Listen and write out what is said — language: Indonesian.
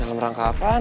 dalam rangka apaan